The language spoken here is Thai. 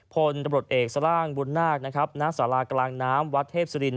พลบรดเอกสร้างบุญนาคณสารากลางน้ำวัดเทพศริลป์